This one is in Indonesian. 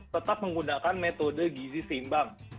tetap menggunakan metode gizi seimbang